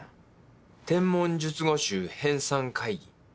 「『天文術語集』編纂会議」。